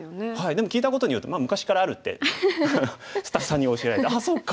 でも聞いたことによって昔からあるってスタッフさんに教えられて「ああそうか」って思って。